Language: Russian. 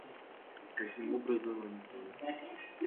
Каким образом они там?